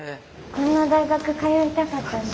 こんな大学通いたかったです。